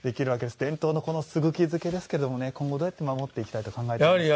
伝統のすぐき漬けですが今後どうやって守っていきたいと考えていますか？